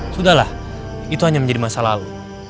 sudahlah itu hanya menjadi masa lalu